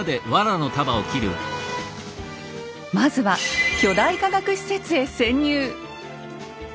まずは巨大科学施設へ潜入！